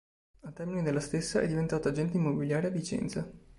Al termine della stessa, è diventato agente immobiliare a Vicenza.